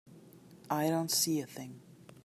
I don't see a thing.